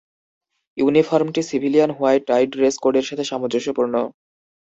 ইউনিফর্মটি civilian white tie dress কোডের সাথে সামঞ্জস্যপূর্ণ।